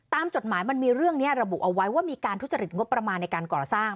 จดหมายมันมีเรื่องนี้ระบุเอาไว้ว่ามีการทุจริตงบประมาณในการก่อสร้าง